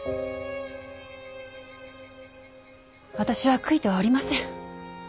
私は悔いてはおりません。